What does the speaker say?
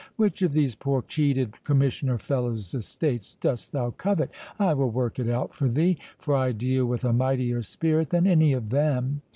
—which of these poor cheated commissioner fellows' estates dost thou covet, I will work it out for thee; for I deal with a mightier spirit than any of them.